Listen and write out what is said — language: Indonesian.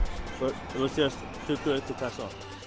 tapi ini hanya peluang yang baik untuk berpengaruh